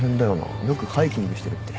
よくハイキングしてるって。